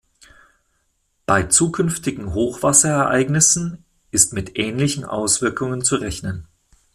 Bei zukünftigen Hochwasserereignissen ist mit ähnlichen Auswirkungen zu rechnen.